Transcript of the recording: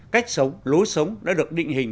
cách sống lối sống đã được định hình